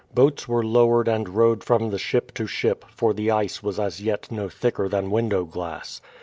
Boats were lowered and rowed from the ship to ship, for the ice was as yet no thicker than window glass.